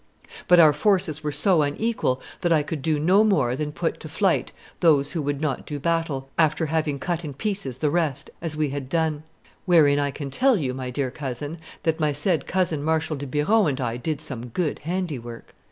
But our forces were so unequal that I could do no more than put to flight those who would not do battle, after having cut in pieces the rest, as we had done; wherein I can tell you, my dear cousin, that my said cousin Marshal de Biron and I did some good handiwork.